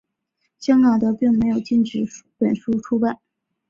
香港则并没有禁止本书出版。